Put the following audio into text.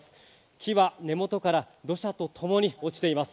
木は根元から土砂と共に落ちています。